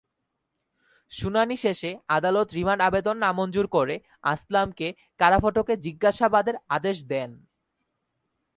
শুনানি শেষে আদালত রিমান্ড আবেদন নামঞ্জুর করে আসলামকে কারাফটকে জিজ্ঞাসাবাদের আদেশ দেন।